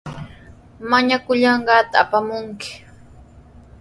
Mañakullanqaata apamunki.